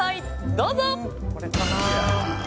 どうぞ！